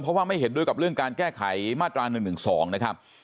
เพราะว่าไม่เห็นด้วยกับเรื่องการแก้ไขมาตรา๑๑๒นะครับ